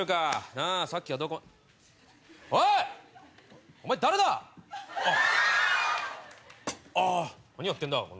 何やってんだ？